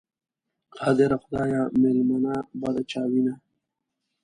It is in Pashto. قادره خدایه، مېلمنه به د چا وینه؟